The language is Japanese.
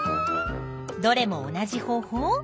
どれも同じ方法？